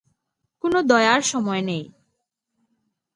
কোন দয়ার সময় নেই।